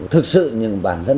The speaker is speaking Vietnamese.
thực sự nhưng bản thân